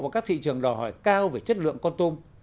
vào các thị trường đòi hỏi cao về chất lượng con tôm